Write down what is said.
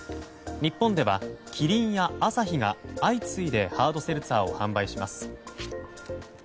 日本ではキリンやアサヒが相次いでハードセルツァーを販売します。